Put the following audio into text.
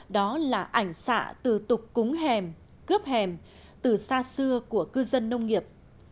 đó là ảnh xạ từ tục cúng hèm cướp hèm từ xa xưa của cư dân nông nghiệp